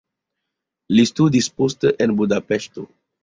Li studis poste en Budapeŝto.